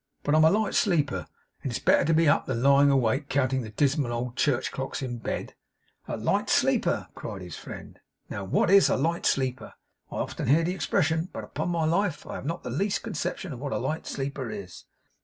But I am a light sleeper; and it's better to be up than lying awake, counting the dismal old church clocks, in bed.' 'A light sleeper!' cried his friend. 'Now, what is a light sleeper? I often hear the expression, but upon my life I have not the least conception what a light sleeper is.